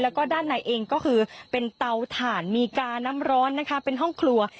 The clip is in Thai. แล้วก็ด้านในเองก็คือเป็นเตาถ่านมีกาน้ำร้อนนะคะเป็นห้องครัว